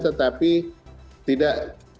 tetapi tidak mudah